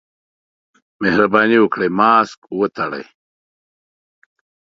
مهرباني وکړئ، ماسک خولې ته وتړئ.